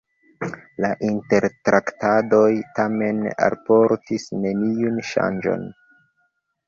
La intertraktadoj tamen alportis neniun ŝanĝon.